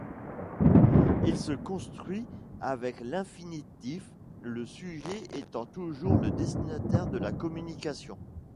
Il se construit avec l’infinitif, le sujet étant toujours le destinataire de la communication.